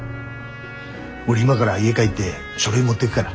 俺今から家帰って書類持ってぐから。